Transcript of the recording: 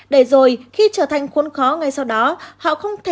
để rồi khi trở thành khuôn khó ngay sau đó họ không thay đổi